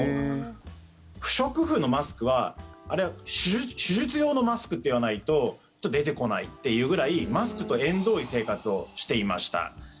不織布のマスクは手術用のマスクと言わないと出てこないっていうぐらいマスクと縁遠い生活をしていました。